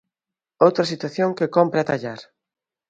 Outra situación que cómpre atallar.